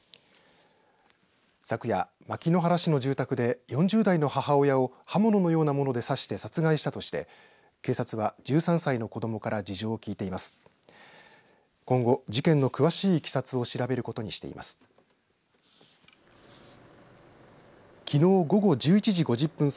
昨夜、牧之原市の住宅で４０代の母親を刃物のようなもので刺して殺害したとして警察は１３歳の子どもから事情を聴いています。